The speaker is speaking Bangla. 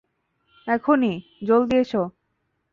এখনই, জলদি এসো।